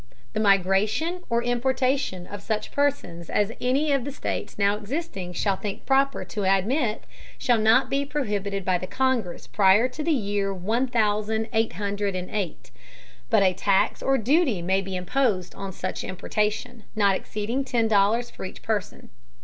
The Migration or Importation of such Persons as any of the States now existing shall think proper to admit, shall not be prohibited by the Congress prior to the Year one thousand eight hundred and eight, but a Tax or duty may be imposed on such Importation, not exceeding ten dollars for each Person.